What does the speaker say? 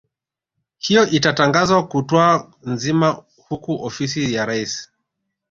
hiyo itatangazwa kutwa nzima huku ofisi ya rais